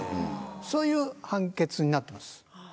そういう判決になってます。